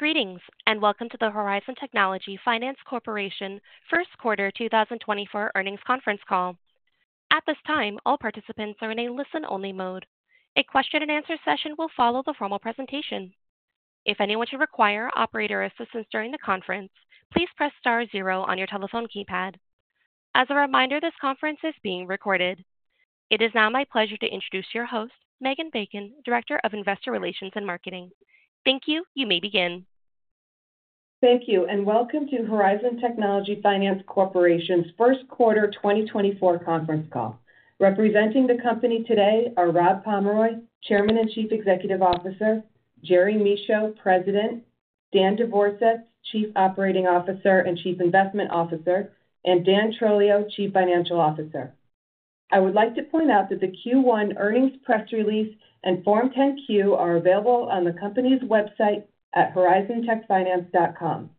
Greetings, and welcome to the Horizon Technology Finance Corporation first quarter 2024 earnings conference call. At this time, all participants are in a listen-only mode. A question-and-answer session will follow the formal presentation. If anyone should require operator assistance during the conference, please press star zero on your telephone keypad. As a reminder, this conference is being recorded. It is now my pleasure to introduce your host, Megan Bacon, Director of Investor Relations and Marketing. Thank you. You may begin. Thank you, and welcome to Horizon Technology Finance Corporation's first quarter 2024 conference call. Representing the company today are Rob Pomeroy, Chairman and Chief Executive Officer, Gerry Michaud, President, Dan Devorsetz, Chief Operating Officer and Chief Investment Officer, and Dan Trolio, Chief Financial Officer. I would like to point out that the Q1 earnings press release and Form 10-Q are available on the company's website at horizontechfinance.com.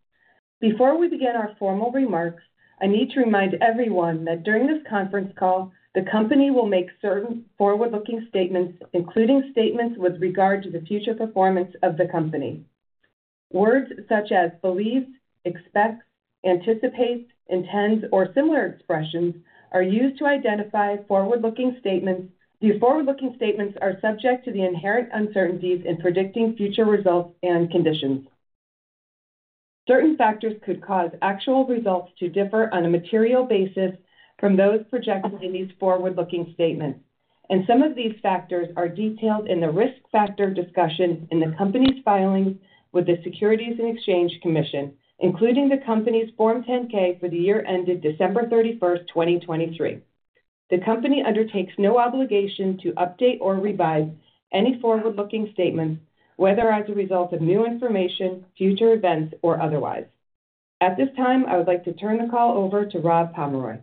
Before we begin our formal remarks, I need to remind everyone that during this conference call, the company will make certain forward-looking statements, including statements with regard to the future performance of the company. Words such as believe, expects, anticipates, intends, or similar expressions, are used to identify forward-looking statements. These forward-looking statements are subject to the inherent uncertainties in predicting future results and conditions. Certain factors could cause actual results to differ on a material basis from those projected in these forward-looking statements, and some of these factors are detailed in the risk factor discussion in the company's filings with the Securities and Exchange Commission, including the company's Form 10-K for the year ended December 31, 2023. The company undertakes no obligation to update or revise any forward-looking statements, whether as a result of new information, future events, or otherwise. At this time, I would like to turn the call over to Rob Pomeroy.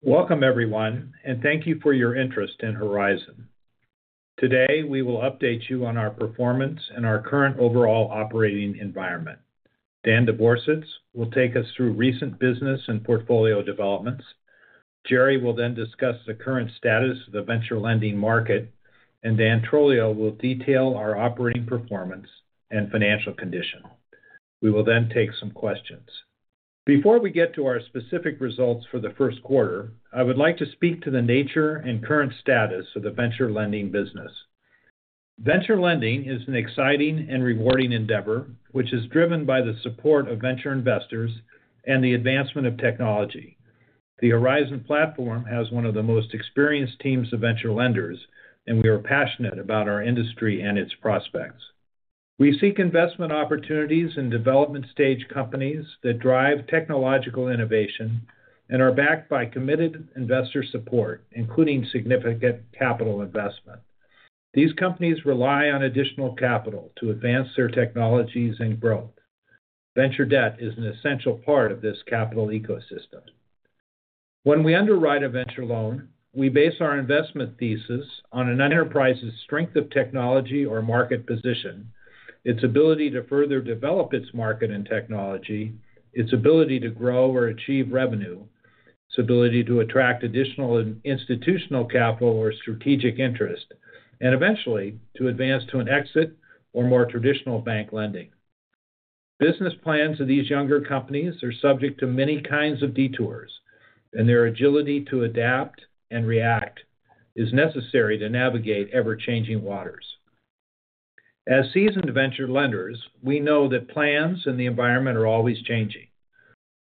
Welcome, everyone, and thank you for your interest in Horizon. Today, we will update you on our performance and our current overall operating environment. Dan Devorsetz will take us through recent business and portfolio developments. Gerry will then discuss the current status of the venture lending market, and Dan Trolio will detail our operating performance and financial condition. We will then take some questions. Before we get to our specific results for the first quarter, I would like to speak to the nature and current status of the venture lending business. Venture lending is an exciting and rewarding endeavor, which is driven by the support of venture investors and the advancement of technology. The Horizon platform has one of the most experienced teams of venture lenders, and we are passionate about our industry and its prospects. We seek investment opportunities in development stage companies that drive technological innovation and are backed by committed investor support, including significant capital investment. These companies rely on additional capital to advance their technologies and growth. Venture debt is an essential part of this capital ecosystem. When we underwrite a venture loan, we base our investment thesis on an enterprise's strength of technology or market position, its ability to further develop its market and technology, its ability to grow or achieve revenue, its ability to attract additional and institutional capital or strategic interest, and eventually, to advance to an exit or more traditional bank lending. Business plans of these younger companies are subject to many kinds of detours, and their agility to adapt and react is necessary to navigate ever-changing waters. As seasoned venture lenders, we know that plans and the environment are always changing.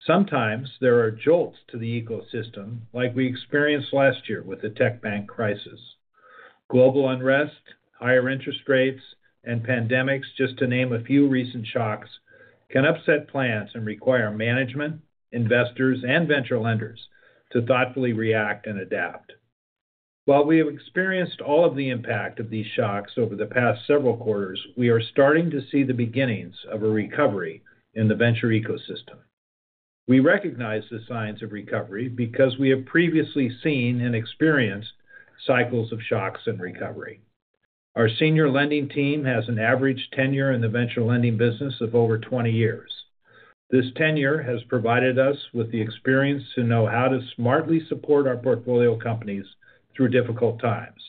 Sometimes there are jolts to the ecosystem, like we experienced last year with the tech bank crisis. Global unrest, higher interest rates, and pandemics, just to name a few recent shocks, can upset plans and require management, investors, and venture lenders to thoughtfully react and adapt. While we have experienced all of the impact of these shocks over the past several quarters, we are starting to see the beginnings of a recovery in the venture ecosystem. We recognize the signs of recovery because we have previously seen and experienced cycles of shocks and recovery. Our senior lending team has an average tenure in the venture lending business of over 20 years. This tenure has provided us with the experience to know how to smartly support our portfolio companies through difficult times,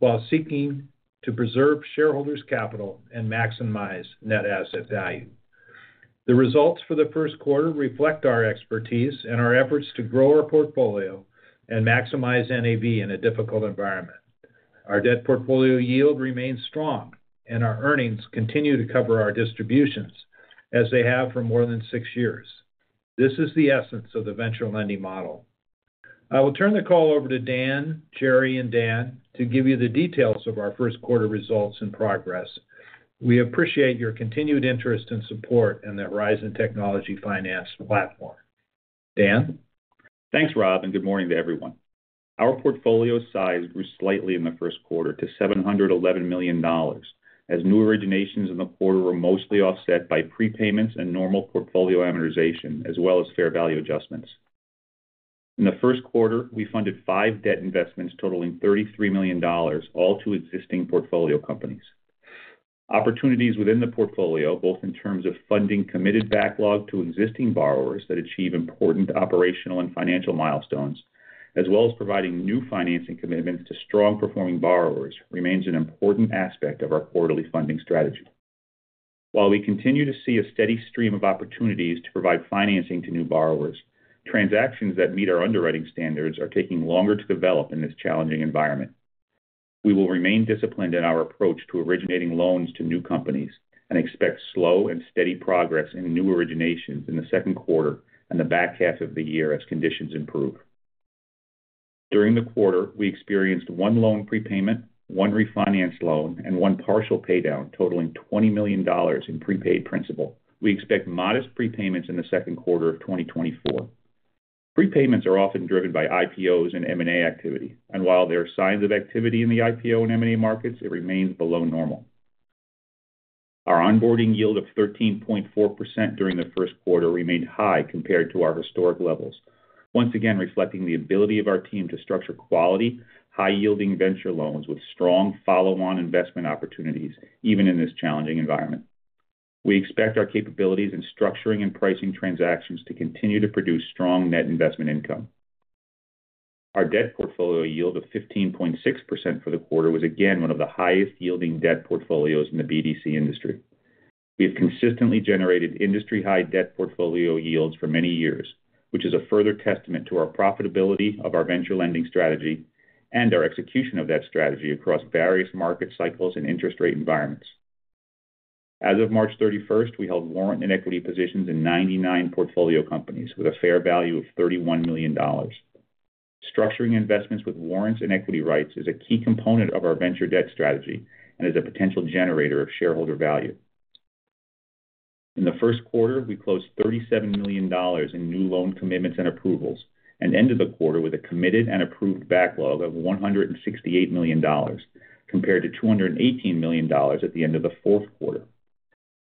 while seeking to preserve shareholders' capital and maximize net asset value. The results for the first quarter reflect our expertise and our efforts to grow our portfolio and maximize NAV in a difficult environment. Our debt portfolio yield remains strong, and our earnings continue to cover our distributions as they have for more than six years. This is the essence of the venture lending model. I will turn the call over to Dan, Gerry, and Dan to give you the details of our first quarter results and progress. We appreciate your continued interest and support in the Horizon Technology Finance platform. Dan? Thanks, Rob, and good morning to everyone. Our portfolio size grew slightly in the first quarter to $711 million, as new originations in the quarter were mostly offset by prepayments and normal portfolio amortization, as well as fair value adjustments. In the first quarter, we funded five debt investments totaling $33 million, all to existing portfolio companies. Opportunities within the portfolio, both in terms of funding committed backlog to existing borrowers that achieve important operational and financial milestones, as well as providing new financing commitments to strong-performing borrowers, remains an important aspect of our quarterly funding strategy. While we continue to see a steady stream of opportunities to provide financing to new borrowers, transactions that meet our underwriting standards are taking longer to develop in this challenging environment. We will remain disciplined in our approach to originating loans to new companies, and expect slow and steady progress in new originations in the second quarter and the back half of the year as conditions improve. During the quarter, we experienced one loan prepayment, one refinance loan, and one partial paydown, totaling $20 million in prepaid principal. We expect modest prepayments in the second quarter of 2024. Prepayments are often driven by IPOs and M&A activity, and while there are signs of activity in the IPO and M&A markets, it remains below normal. Our onboarding yield of 13.4% during the first quarter remained high compared to our historic levels, once again reflecting the ability of our team to structure quality, high-yielding venture loans with strong follow-on investment opportunities, even in this challenging environment. We expect our capabilities in structuring and pricing transactions to continue to produce strong net investment income. Our debt portfolio yield of 15.6% for the quarter was again one of the highest-yielding debt portfolios in the BDC industry. We have consistently generated industry-high debt portfolio yields for many years, which is a further testament to our profitability of our venture lending strategy and our execution of that strategy across various market cycles and interest rate environments. As of March thirty-first, we held warrant and equity positions in 99 portfolio companies, with a fair value of $31 million. Structuring investments with warrants and equity rights is a key component of our venture debt strategy and is a potential generator of shareholder value. In the first quarter, we closed $37 million in new loan commitments and approvals, and ended the quarter with a committed and approved backlog of $168 million, compared to $218 million at the end of the fourth quarter.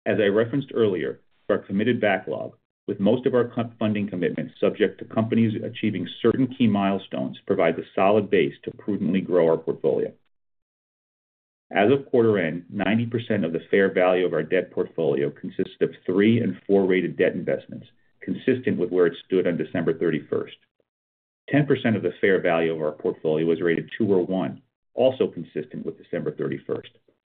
As I referenced earlier, our committed backlog, with most of our cut-funding commitments subject to companies achieving certain key milestones, provide the solid base to prudently grow our portfolio. As of quarter end, 90% of the fair value of our debt portfolio consists of 3- and 4-rated debt investments, consistent with where it stood on December 31. 10% of the fair value of our portfolio was rated 2 or 1, also consistent with December 31,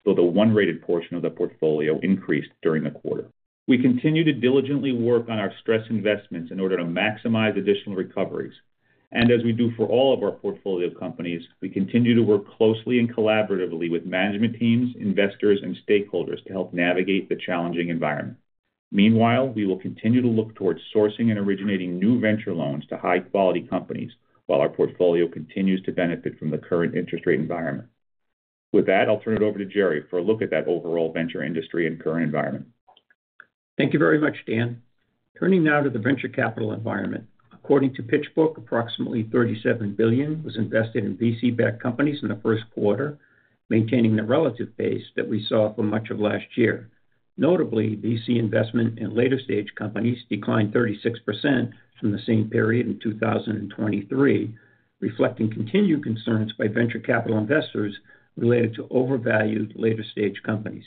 though the 1-rated portion of the portfolio increased during the quarter. We continue to diligently work on our stressed investments in order to maximize additional recoveries. As we do for all of our portfolio companies, we continue to work closely and collaboratively with management teams, investors, and stakeholders to help navigate the challenging environment. Meanwhile, we will continue to look towards sourcing and originating new venture loans to high-quality companies while our portfolio continues to benefit from the current interest rate environment. With that, I'll turn it over to Jerry for a look at that overall venture industry and current environment. Thank you very much, Dan. Turning now to the venture capital environment. According to PitchBook, approximately $37 billion was invested in VC-backed companies in the first quarter, maintaining the relative pace that we saw for much of last year. Notably, VC investment in later-stage companies declined 36% from the same period in 2023, reflecting continued concerns by venture capital investors related to overvalued later-stage companies.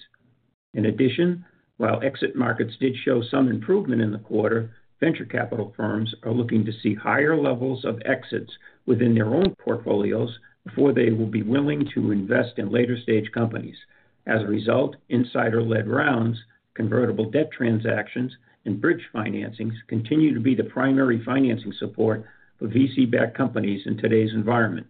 In addition, while exit markets did show some improvement in the quarter, venture capital firms are looking to see higher levels of exits within their own portfolios before they will be willing to invest in later-stage companies. As a result, insider-led rounds, convertible debt transactions, and bridge financings continue to be the primary financing support for VC-backed companies in today's environment.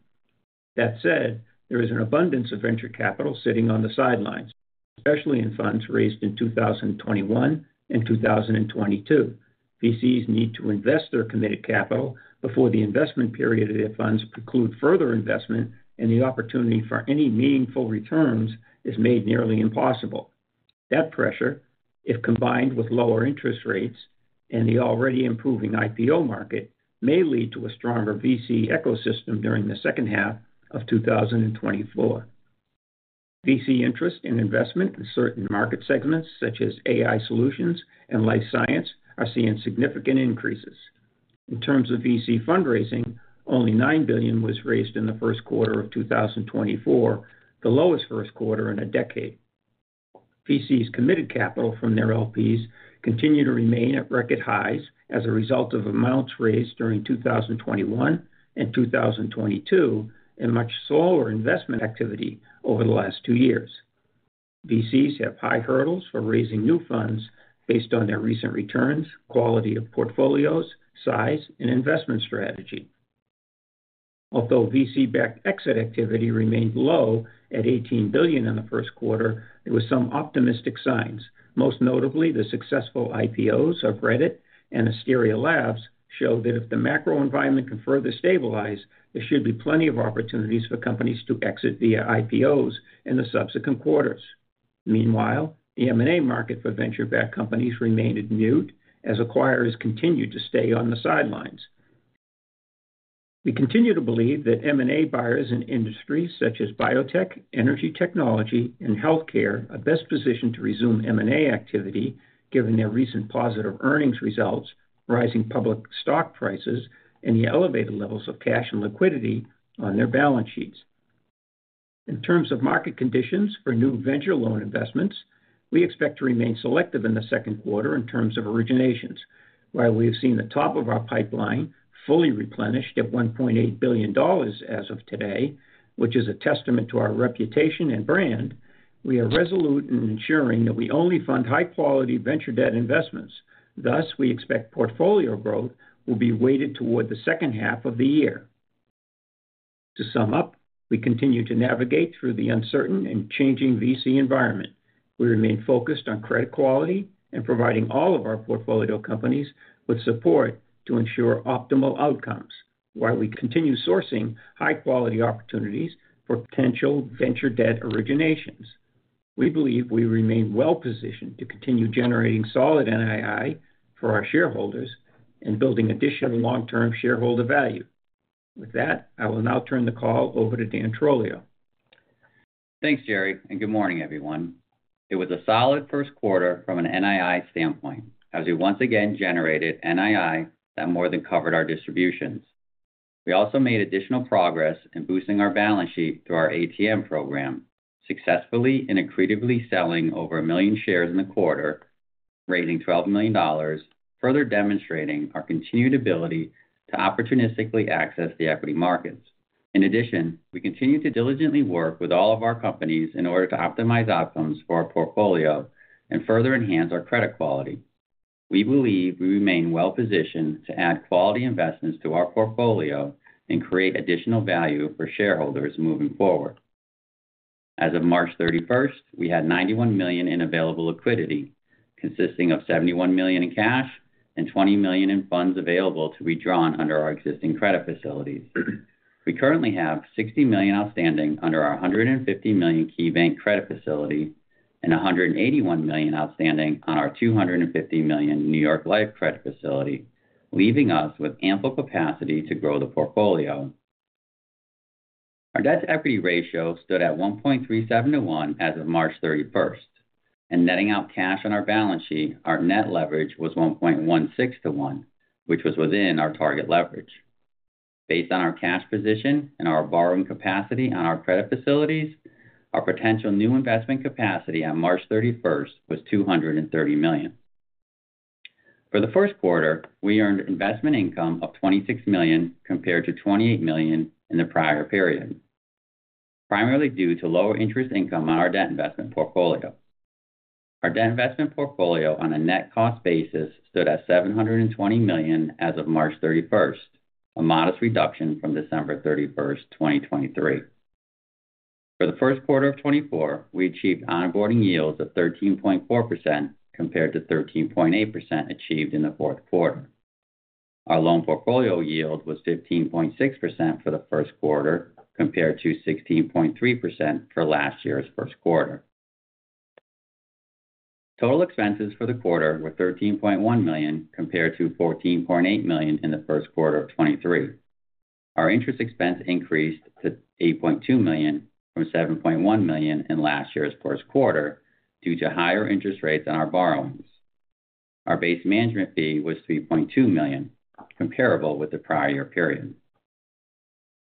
That said, there is an abundance of venture capital sitting on the sidelines, especially in funds raised in 2021 and 2022. VCs need to invest their committed capital before the investment period of their funds preclude further investment, and the opportunity for any meaningful returns is made nearly impossible. That pressure, if combined with lower interest rates and the already improving IPO market, may lead to a stronger VC ecosystem during the second half of 2024. VC interest and investment in certain market segments, such as AI solutions and life science, are seeing significant increases. In terms of VC fundraising, only $9 billion was raised in the first quarter of 2024, the lowest first quarter in a decade. VCs' committed capital from their LPs continue to remain at record highs as a result of amounts raised during 2021 and 2022, and much slower investment activity over the last two years. VCs have high hurdles for raising new funds based on their recent returns, quality of portfolios, size, and investment strategy. Although VC-backed exit activity remained low at $18 billion in the first quarter, there were some optimistic signs. Most notably, the successful IPOs of Reddit and Astera Labs show that if the macro environment can further stabilize, there should be plenty of opportunities for companies to exit via IPOs in the subsequent quarters. Meanwhile, the M&A market for venture-backed companies remained muted as acquirers continued to stay on the sidelines. We continue to believe that M&A buyers in industries such as biotech, energy technology, and healthcare are best positioned to resume M&A activity, given their recent positive earnings results, rising public stock prices, and the elevated levels of cash and liquidity on their balance sheets. In terms of market conditions for new venture loan investments, we expect to remain selective in the second quarter in terms of originations. While we have seen the top of our pipeline fully replenished at $1.8 billion as of today, which is a testament to our reputation and brand, we are resolute in ensuring that we only fund high-quality venture debt investments. Thus, we expect portfolio growth will be weighted toward the second half of the year. To sum up, we continue to navigate through the uncertain and changing VC environment. We remain focused on credit quality and providing all of our portfolio companies with support to ensure optimal outcomes, while we continue sourcing high-quality opportunities for potential venture debt originations. We believe we remain well-positioned to continue generating solid NII for our shareholders and building additional long-term shareholder value. With that, I will now turn the call over to Dan Trolio. Thanks, Jerry, and good morning, everyone. It was a solid first quarter from an NII standpoint, as we once again generated NII that more than covered our distributions. We also made additional progress in boosting our balance sheet through our ATM program, successfully and accretively selling over 1 million shares in the quarter, raising $12 million, further demonstrating our continued ability to opportunistically access the equity markets. In addition, we continue to diligently work with all of our companies in order to optimize outcomes for our portfolio and further enhance our credit quality. We believe we remain well-positioned to add quality investments to our portfolio and create additional value for shareholders moving forward. As of March 31, we had $91 million in available liquidity, consisting of $71 million in cash and $20 million in funds available to be drawn under our existing credit facilities. We currently have $60 million outstanding under our $150 million KeyBank credit facility and $181 million outstanding on our $250 million New York Life credit facility, leaving us with ample capacity to grow the portfolio. Our debt-to-equity ratio stood at 1.37 to 1 as of March thirty-first, and netting out cash on our balance sheet, our net leverage was 1.16 to 1, which was within our target leverage. Based on our cash position and our borrowing capacity on our credit facilities, our potential new investment capacity on March thirty-first was $230 million. For the first quarter, we earned investment income of $26 million compared to $28 million in the prior period, primarily due to lower interest income on our debt investment portfolio. Our debt investment portfolio, on a net cost basis, stood at $720 million as of March 31, a modest reduction from December 31, 2023. For the first quarter of 2024, we achieved onboarding yields of 13.4%, compared to 13.8% achieved in the fourth quarter. Our loan portfolio yield was 15.6% for the first quarter, compared to 16.3% for last year's first quarter. Total expenses for the quarter were $13.1 million, compared to $14.8 million in the first quarter of 2023. Our interest expense increased to $8.2 million from $7.1 million in last year's first quarter due to higher interest rates on our borrowings. Our base management fee was $3.2 million, comparable with the prior year period.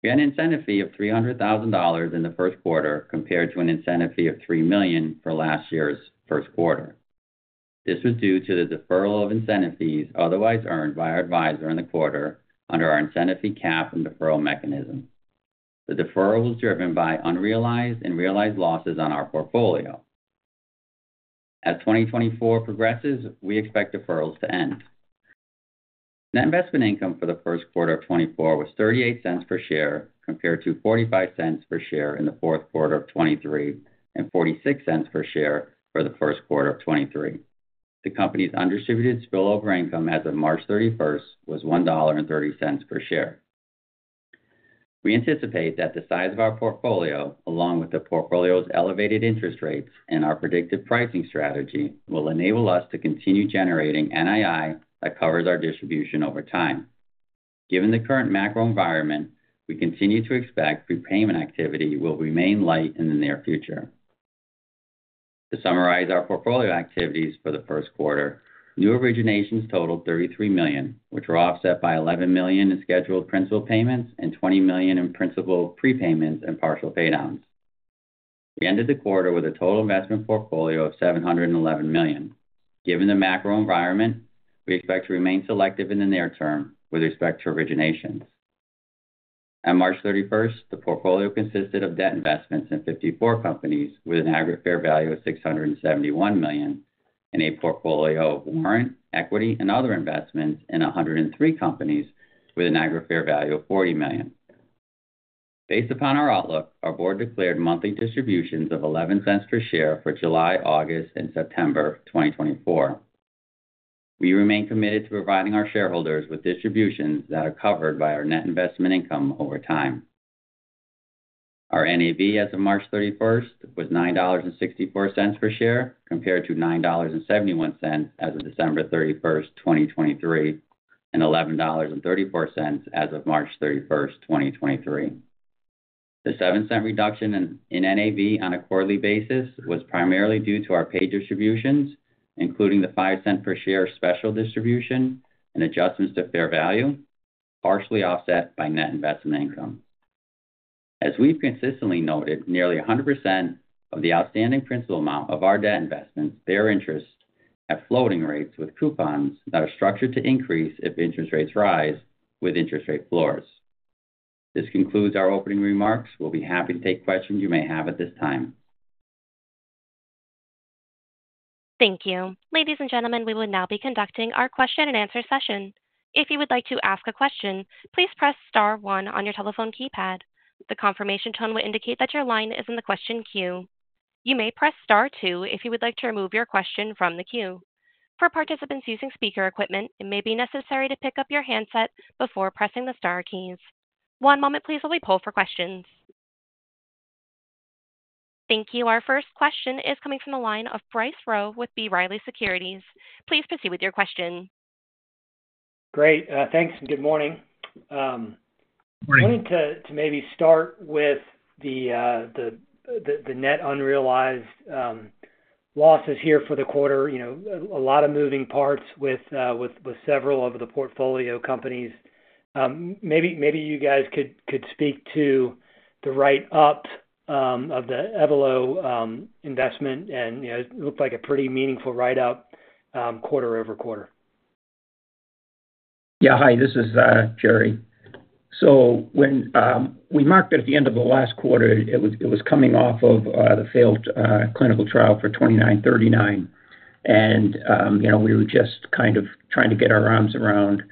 We had an incentive fee of $300,000 in the first quarter, compared to an incentive fee of $3 million for last year's first quarter. This was due to the deferral of incentive fees otherwise earned by our advisor in the quarter under our incentive fee cap and deferral mechanism. The deferral was driven by unrealized and realized losses on our portfolio. As 2024 progresses, we expect deferrals to end. Net investment income for the first quarter of 2024 was $0.38 per share, compared to $0.45 per share in the fourth quarter of 2023 and $0.46 per share for the first quarter of 2023. The company's undistributed spillover income as of March 31 was $1.30 per share. We anticipate that the size of our portfolio, along with the portfolio's elevated interest rates and our predictive pricing strategy, will enable us to continue generating NII that covers our distribution over time. Given the current macro environment, we continue to expect prepayment activity will remain light in the near future. To summarize our portfolio activities for the first quarter, new originations totaled $33 million, which were offset by $11 million in scheduled principal payments and $20 million in principal prepayments and partial paydowns. We ended the quarter with a total investment portfolio of $711 million. Given the macro environment, we expect to remain selective in the near term with respect to originations. On March thirty-first, the portfolio consisted of debt investments in 54 companies, with an aggregate fair value of $671 million, and a portfolio of warrant, equity, and other investments in 103 companies with an aggregate fair value of $40 million. Based upon our outlook, our board declared monthly distributions of $0.11 per share for July, August, and September 2024. We remain committed to providing our shareholders with distributions that are covered by our net investment income over time. Our NAV as of March thirty-first was $9.64 per share, compared to $9.71 as of December thirty-first, 2023, and $11.34 as of March thirty-first, 2023. The $0.07 reduction in NAV on a quarterly basis was primarily due to our paid distributions, including the $0.05 per share special distribution and adjustments to fair value.... partially offset by Net Investment Income. As we've consistently noted, nearly 100% of the outstanding principal amount of our debt investments bear interest at floating rates with coupons that are structured to increase if interest rates rise with interest rate floors. This concludes our opening remarks. We'll be happy to take questions you may have at this time. Thank you. Ladies and gentlemen, we will now be conducting our question-and-answer session. If you would like to ask a question, please press star one on your telephone keypad. The confirmation tone will indicate that your line is in the question queue. You may press star two if you would like to remove your question from the queue. For participants using speaker equipment, it may be necessary to pick up your handset before pressing the star keys. One moment, please, while we poll for questions. Thank you. Our first question is coming from the line of Bryce Rowe with B. Riley Securities. Please proceed with your question. Great. Thanks, and good morning. Morning. I wanted to maybe start with the net unrealized losses here for the quarter. You know, a lot of moving parts with several of the portfolio companies. Maybe you guys could speak to the write-up of the Evelo investment, and you know, it looked like a pretty meaningful write-up quarter over quarter. Yeah. Hi, this is Jerry. So when we marked it at the end of the last quarter, it was coming off of the failed clinical trial for EDP2939. And you know, we were just kind of trying to get our arms around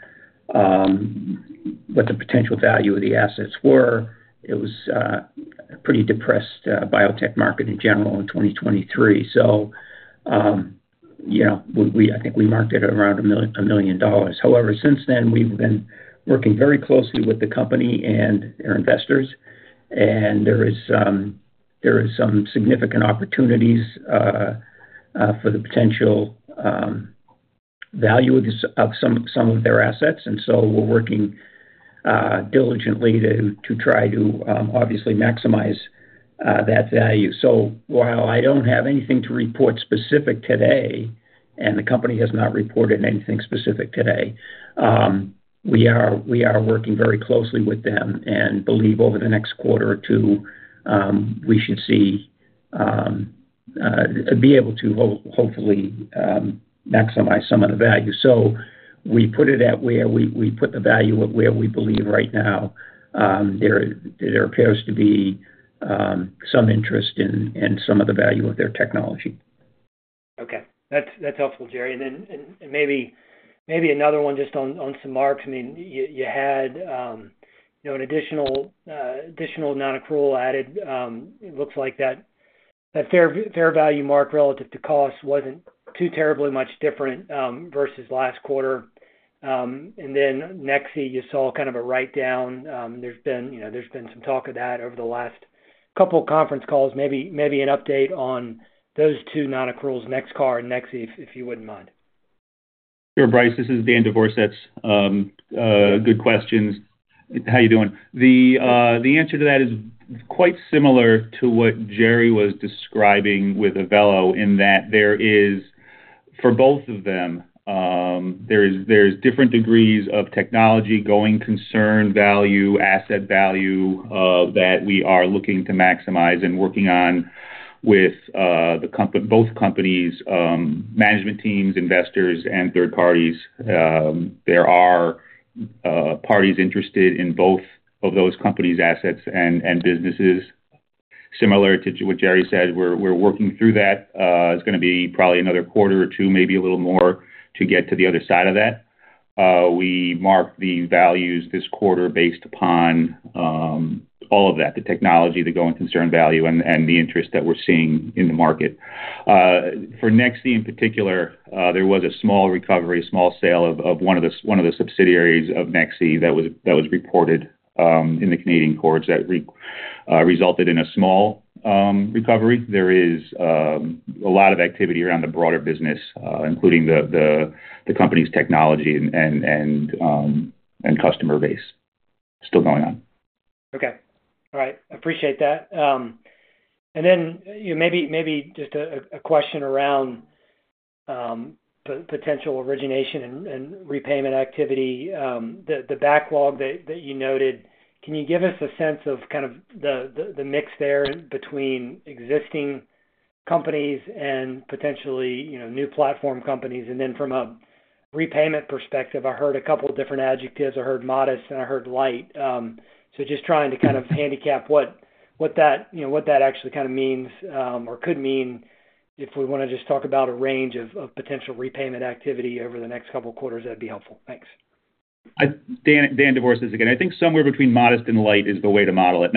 what the potential value of the assets were. It was a pretty depressed biotech market in general in 2023. So you know, I think we marked it around $1 million. However, since then, we've been working very closely with the company and their investors, and there is some significant opportunities for the potential value of some of their assets, and so we're working diligently to try to obviously maximize that value. So while I don't have anything to report specifically today, and the company has not reported anything specifically today, we are working very closely with them and believe over the next quarter or two, we should see be able to hopefully maximize some of the value. So we put it at where we put the value at where we believe right now. There appears to be some interest in, and some of the value of their technology. Okay. That's helpful, Jerry. And then, maybe another one just on some marks. I mean, you had an additional non-accrual added. It looks like that fair value mark relative to cost wasn't too terribly much different versus last quarter. And then Nexii, you saw kind of a write-down. There's been some talk of that over the last couple of conference calls. Maybe an update on those two non-accruals, NextCar and Nexii, if you wouldn't mind. Sure, Bryce. This is Dan Devorsetz. Good questions. How you doing? The answer to that is quite similar to what Jerry was describing with Evelo, in that there is... For both of them, there is, there's different degrees of technology, going concern, value, asset value that we are looking to maximize and working on with the both companies' management teams, investors, and third parties. There are parties interested in both of those companies' assets and businesses. Similar to what Jerry said, we're working through that. It's gonna be probably another quarter or two, maybe a little more, to get to the other side of that. We marked the values this quarter based upon all of that: the technology, the going concern value, and the interest that we're seeing in the market. For Nexii, in particular, there was a small recovery, a small sale of one of the subsidiaries of Nexii that was reported in the Canadian courts that resulted in a small recovery. There is a lot of activity around the broader business, including the company's technology and customer base still going on. Okay. All right. Appreciate that. And then, you know, maybe just a question around potential origination and repayment activity. The backlog that you noted, can you give us a sense of kind of the mix there between existing companies and potentially, you know, new platform companies? And then from a repayment perspective, I heard a couple different adjectives. I heard modest, and I heard light. So just trying to kind of handicap what that, you know, what that actually kind of means, or could mean. If we want to just talk about a range of potential repayment activity over the next couple of quarters, that'd be helpful. Thanks. Dan, Dan Devorsetz again. I think somewhere between modest and light is the way to model it.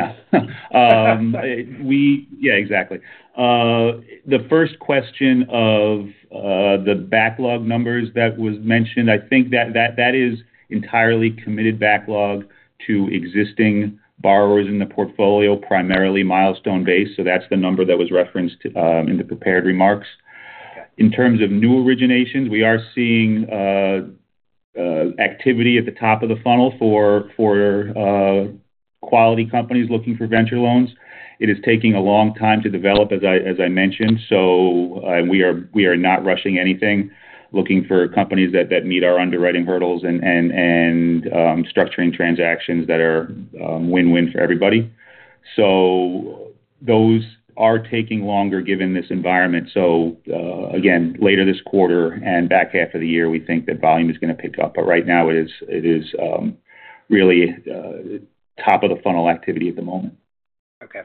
Yeah, exactly. The first question of the backlog numbers that was mentioned, I think that is entirely committed backlog to existing borrowers in the portfolio, primarily milestone-based, so that's the number that was referenced in the prepared remarks. Okay. In terms of new originations, we are seeing activity at the top of the funnel for, for quality companies looking for venture loans. It is taking a long time to develop, as I mentioned, so we are not rushing anything, looking for companies that meet our underwriting hurdles and structuring transactions that are win-win for everybody. So those are taking longer given this environment. So again, later this quarter and back half of the year, we think that volume is gonna pick up. But right now it is really top of the funnel activity at the moment. Okay.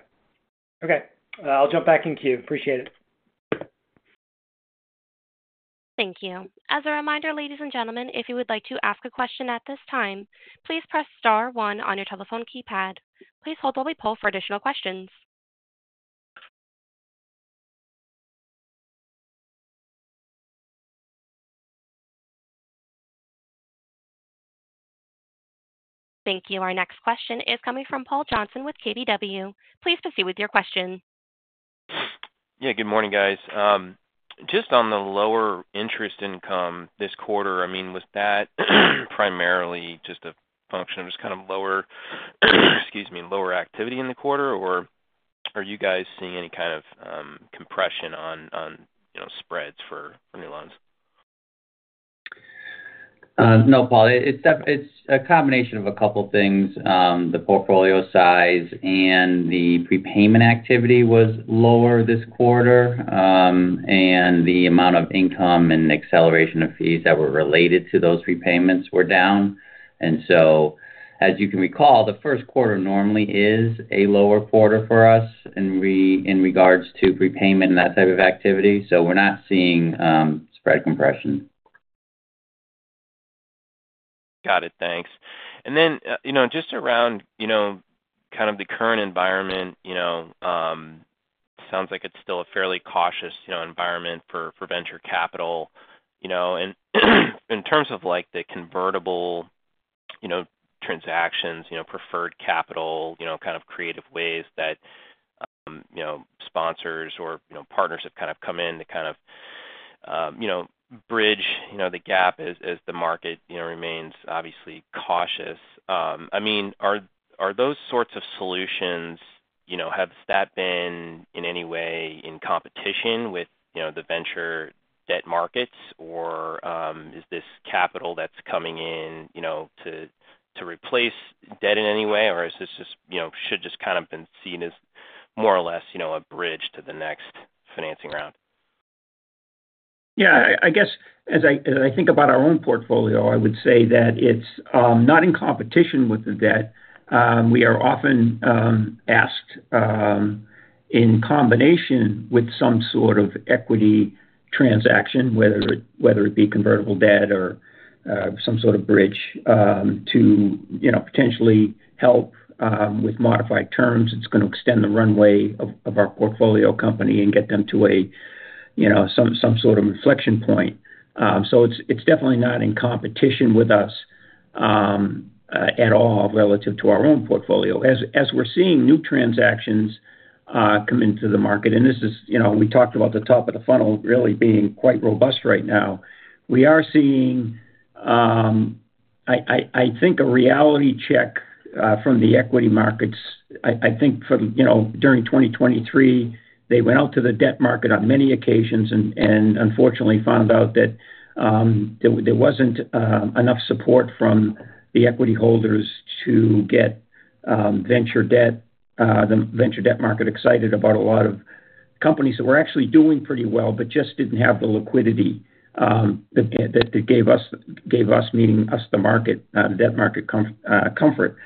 Okay, I'll jump back in queue. Appreciate it. Thank you. As a reminder, ladies and gentlemen, if you would like to ask a question at this time, please press star one on your telephone keypad. Please hold while we poll for additional questions. Thank you. Our next question is coming from Paul Johnson with KBW. Please proceed with your question. Yeah, good morning, guys. Just on the lower interest income this quarter, I mean, was that primarily just a function of just kind of lower, excuse me, lower activity in the quarter, or are you guys seeing any kind of compression on, you know, spreads for new loans? No, Paul. It's a combination of a couple things. The portfolio size and the prepayment activity was lower this quarter, and the amount of income and acceleration of fees that were related to those prepayments were down. And so, as you can recall, the first quarter normally is a lower quarter for us, in regards to prepayment and that type of activity. So we're not seeing spread compression. Got it. Thanks. And then, you know, just around, you know, kind of the current environment, you know, sounds like it's still a fairly cautious, you know, environment for, for venture capital, you know. And in terms of, like, the convertible, you know, transactions, you know, preferred capital, you know, kind of creative ways that, you know, sponsors or, you know, partners have kind of come in to kind of, you know, bridge, you know, the gap as, as the market, you know, remains obviously cautious. I mean, are, are those sorts of solutions, you know, has that been, in any way, in competition with, you know, the venture debt markets? Or, is this capital that's coming in, you know, to replace debt in any way, or is this just, you know, should just kind of been seen as more or less, you know, a bridge to the next financing round? Yeah, I, I guess, as I, as I think about our own portfolio, I would say that it's not in competition with the debt. We are often asked in combination with some sort of equity transaction, whether it, whether it be convertible debt or some sort of bridge to, you know, potentially help with modified terms. It's gonna extend the runway of our portfolio company and get them to a, you know, some sort of inflection point. So it's definitely not in competition with us at all relative to our own portfolio. As we're seeing new transactions come into the market, and this is, you know, we talked about the top of the funnel really being quite robust right now. We are seeing, I think, a reality check from the equity markets. I think from, you know, during 2023, they went out to the debt market on many occasions and unfortunately found out that there wasn't enough support from the equity holders to get venture debt, the venture debt market excited about a lot of companies that were actually doing pretty well, but just didn't have the liquidity that gave us, gave us, meaning us, the market, the debt market comfort.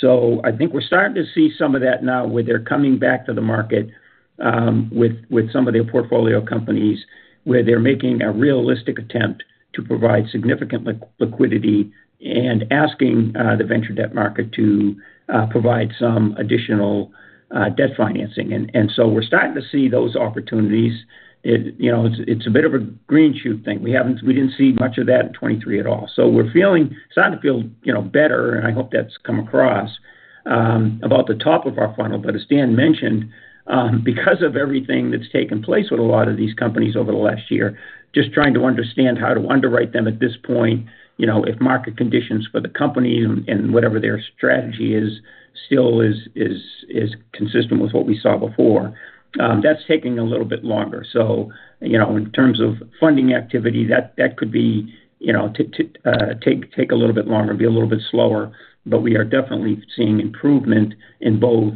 So I think we're starting to see some of that now, where they're coming back to the market with some of their portfolio companies, where they're making a realistic attempt to provide significant liquidity and asking the venture debt market to provide some additional debt financing. So we're starting to see those opportunities. You know, it's a bit of a green shoot thing. We didn't see much of that in 2023 at all. So we're feeling, starting to feel, you know, better, and I hope that's come across about the top of our funnel. But as Dan mentioned, because of everything that's taken place with a lot of these companies over the last year, just trying to understand how to underwrite them at this point, you know, if market conditions for the company and whatever their strategy is still is consistent with what we saw before, that's taking a little bit longer. So, you know, in terms of funding activity, that could be, you know, to take a little bit longer, be a little bit slower. But we are definitely seeing improvement in both,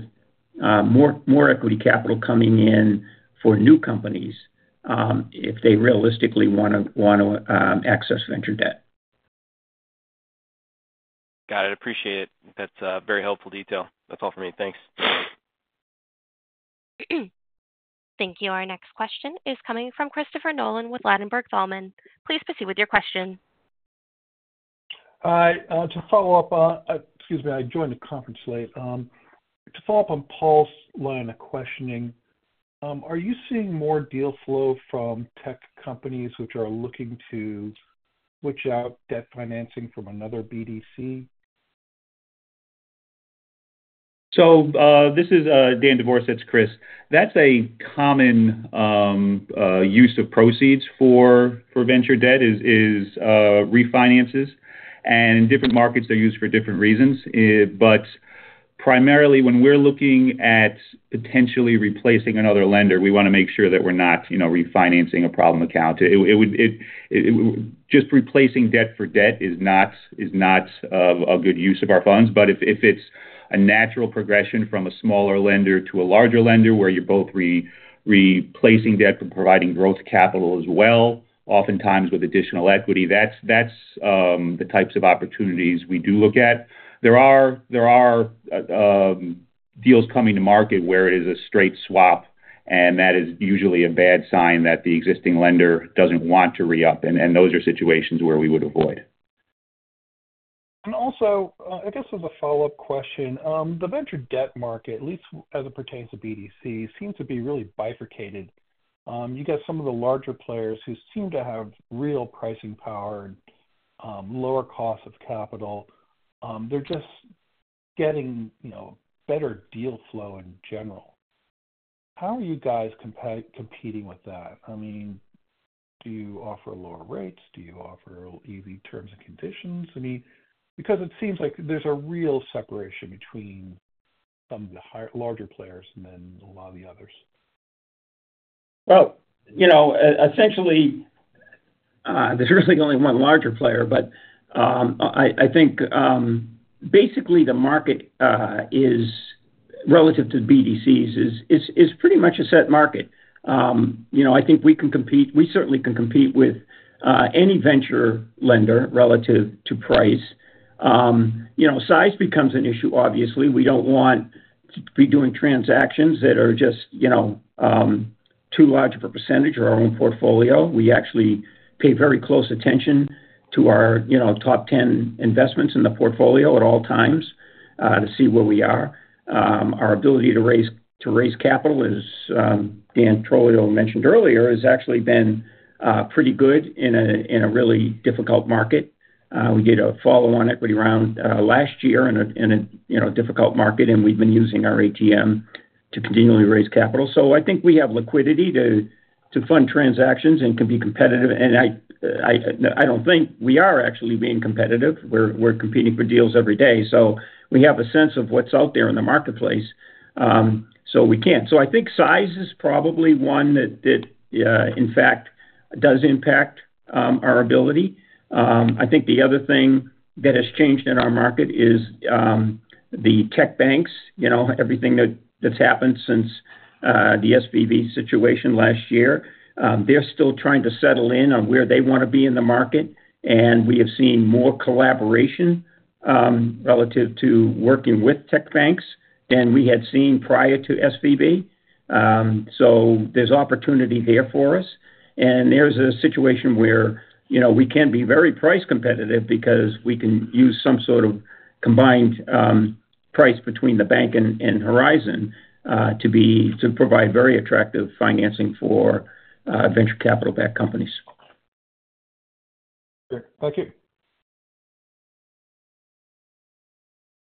more equity capital coming in for new companies, if they realistically wanna access venture debt. Got it. Appreciate it. That's a very helpful detail. That's all for me. Thanks. Thank you. Our next question is coming from Christopher Nolan with Ladenburg Thalmann. Please proceed with your question. Hi, to follow up on... Excuse me, I joined the conference late. To follow up on Paul's line of questioning, are you seeing more deal flow from tech companies which are looking to switch out debt financing from another BDC? So, this is Dan Devorsetz, Chris. That's a common use of proceeds for venture debt, is refinances, and different markets are used for different reasons. Primarily, when we're looking at potentially replacing another lender, we wanna make sure that we're not, you know, refinancing a problem account. It would just replacing debt for debt is not a good use of our funds. But if it's a natural progression from a smaller lender to a larger lender, where you're both replacing debt but providing growth capital as well, oftentimes with additional equity, that's the types of opportunities we do look at. There are deals coming to market where it is a straight swap, and that is usually a bad sign that the existing lender doesn't want to re-up, and those are situations where we would avoid. And also, I guess as a follow-up question, the venture debt market, at least as it pertains to BDC, seems to be really bifurcated. You got some of the larger players who seem to have real pricing power and lower costs of capital. They're just getting, you know, better deal flow in general. How are you guys competing with that? I mean, do you offer lower rates? Do you offer easy terms and conditions? I mean, because it seems like there's a real separation between some of the larger players and then a lot of the others. Well, you know, essentially, there's really only one larger player, but I think basically the market is relative to BDCs is pretty much a set market. You know, I think we can compete. We certainly can compete with any venture lender relative to price. You know, size becomes an issue, obviously. We don't want to be doing transactions that are just, you know, too large of a percentage of our own portfolio. We actually pay very close attention to our, you know, top ten investments in the portfolio at all times to see where we are. Our ability to raise capital, as Dan Trolio mentioned earlier, has actually been pretty good in a really difficult market. We did a follow-on equity round last year in a, you know, difficult market, and we've been using our ATM to continually raise capital. So I think we have liquidity to fund transactions and can be competitive, and I don't think we are actually being competitive. We're competing for deals every day, so we have a sense of what's out there in the marketplace. So we can. So I think size is probably one that in fact does impact our ability. I think the other thing that has changed in our market is the tech banks. You know, everything that's happened since the SVB situation last year. They're still trying to settle in on where they wanna be in the market, and we have seen more collaboration relative to working with tech banks than we had seen prior to SVB. So there's opportunity there for us, and there's a situation where, you know, we can be very price competitive because we can use some sort of combined price between the bank and Horizon to provide very attractive financing for venture capital-backed companies. Sure. Thank you.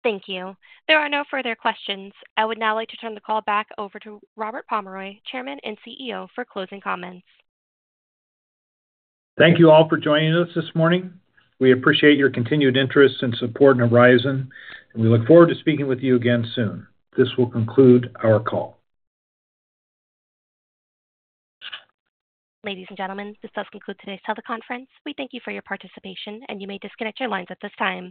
Thank you. There are no further questions. I would now like to turn the call back over to Robert Pomeroy, Chairman and CEO, for closing comments. Thank you all for joining us this morning. We appreciate your continued interest and support in Horizon, and we look forward to speaking with you again soon. This will conclude our call. Ladies and gentlemen, this does conclude today's teleconference. We thank you for your participation, and you may disconnect your lines at this time.